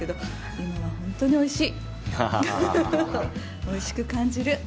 今は本当においしい！